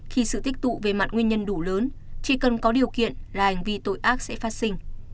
khi sự tích tụ về mặt nguyên nhân đủ lớn chỉ cần có điều kiện là hành vi tội ác sẽ phát sinh